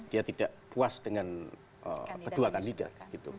dia tidak puas dengan kedua kandidat